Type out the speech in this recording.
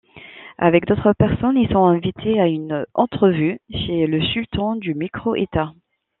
Avec d'autres personnes, ils sont invités à une entrevue chez le Sultan du micro-État.